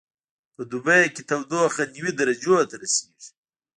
په دوبي کې تودوخه نوي درجو ته رسیږي